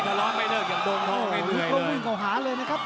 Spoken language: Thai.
เหมือนมันเจอกัน